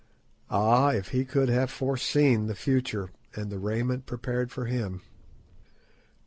Ah! if he could have foreseen the future and the raiment prepared for him.